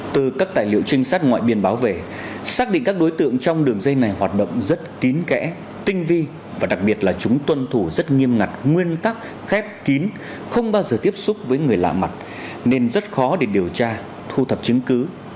từ các tài liệu trinh sát ngoại biên báo về xác định các đối tượng trong đường dây này hoạt động rất kín kẽ tinh vi và đặc biệt là chúng tuân thủ rất nghiêm ngặt nguyên tắc khép kín không bao giờ tiếp xúc với người lạ mặt nên rất khó để điều tra thu thập chứng cứ